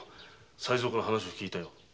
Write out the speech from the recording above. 才三から話は聞いたよ。